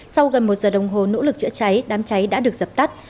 sau gần một giờ đồng hồ nỗ lực chữa cháy đám cháy đã được dập tắt